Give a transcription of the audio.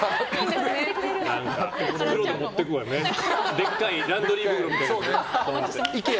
でっかいランドリー袋みたいな。